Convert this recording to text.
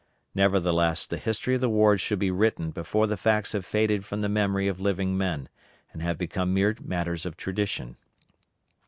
Nevertheless, the history of the war should be written before the facts have faded from the memory of living men, and have become mere matters of tradition.